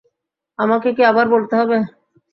আমাকে কি আবার বলতে হবে?